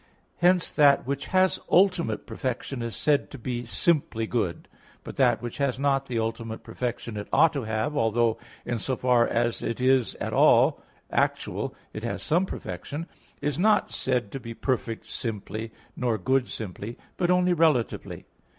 Hence that which has ultimate perfection is said to be simply good; but that which has not the ultimate perfection it ought to have (although, in so far as it is at all actual, it has some perfection), is not said to be perfect simply nor good simply, but only relatively.